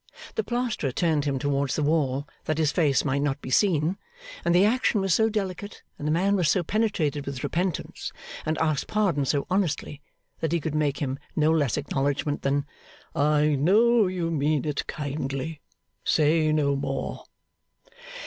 The Plasterer turned him towards the wall, that his face might not be seen; and the action was so delicate, and the man was so penetrated with repentance, and asked pardon so honestly, that he could make him no less acknowledgment than, 'I know you meant it kindly. Say no more.